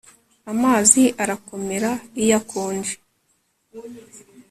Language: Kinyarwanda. Amazi arakomera iyo akonje